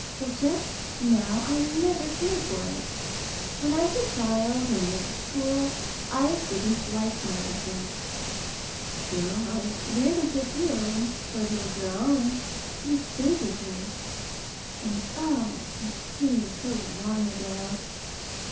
Till just now I never cared for it. When I was a child and went to school, I didn't like my lessons. Still I learned a good deal, for a little girl, and it has stayed by me. And oh, it seems so long ago!